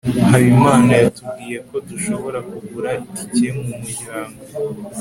habimana yatubwiye ko dushobora kugura itike ku muryango